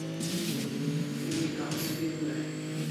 Emi kaffi p'en dai